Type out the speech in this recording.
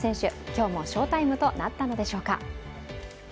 今日も翔タイムとなったのでしょうか？